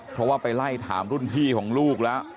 เพราะว่าไปไล่ถามรุ่นพี่ของลูกแล้ว